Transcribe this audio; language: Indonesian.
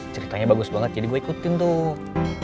ceritanya bagus banget jadi gue ikutin tuh